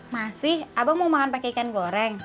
masih abang mau makan pakai ikan goreng